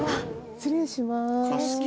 失礼します。